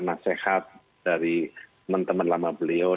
nasihat dari teman teman lama beliau